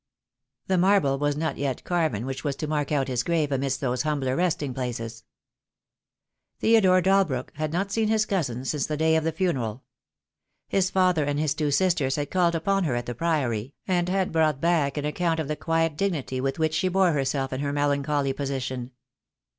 The marble was not yet carven which was to mark out his grave amidst those humbler resting places. Theodore Dalbrook had not seen his cousin since the 144 THE DAY WILL COME. day of the funeral. His father and his two sisters had called upon her at the Priory, and had brought back an account of the quiet dignity with which she bore herself in her melancholy position.